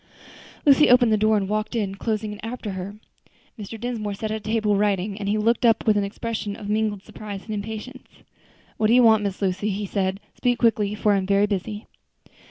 Lucy opened the door and walked in, closing it after her. Mr. Dinsmore sat at a table writing, and he looked up with an expression of mingled surprise and impatience. "What do you want, Miss Lucy?" he said, "speak quickly, for I am very busy."